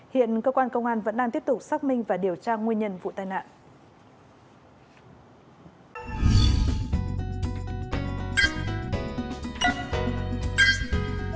hiện cơ quan công an vẫn đang tiếp tục xác minh và điều tra nguyên nhân vụ tai nạn